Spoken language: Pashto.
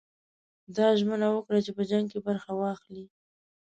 ده ژمنه وکړه چې په جنګ کې برخه واخلي.